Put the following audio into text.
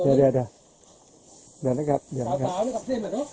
เหลืองเท้าอย่างนั้น